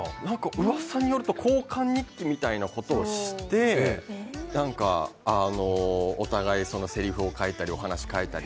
うわさによると交換日記みたいなことをして、お互い、せりふを書いたりお話を書いたり。